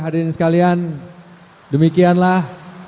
hadirin sekalian demikianlah